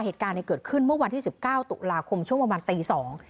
เหตุการณ์เนี่ยเกิดขึ้นเมื่อวันที่สิบเก้าตุลาคมช่วงประมาณตีสอง